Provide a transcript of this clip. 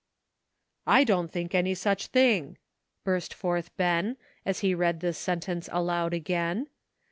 "I don't think any such thing!" burst forth Ben, as he read this sentence aloud again.